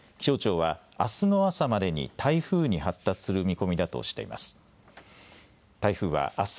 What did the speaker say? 気象庁はあすの朝までに台風に発達する見込みだとしてます。